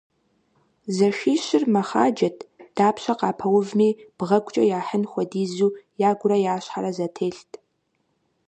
Зэшищыр мэхъаджэт, дапщэ къапэувми бгъэгукӀэ яхьын хуэдизу ягурэ я щхьэрэ зэтелът.